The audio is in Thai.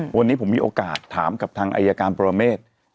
วันนี้ผมมีโอกาสถามกับทางอายการปรเมฆ